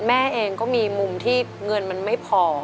แม่เองก็มีมุมที่เงินมันไม่พอ